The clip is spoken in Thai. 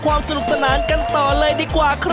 ความสนุกสนานกันต่อเลยดีกว่าครับ